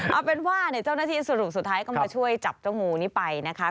เอาเป็นว่าเจ้าหน้าที่สรุปสุดท้ายก็มาช่วยจับเจ้างูนี้ไปนะคะ